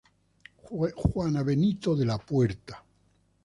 Juana Benito de la Puerta.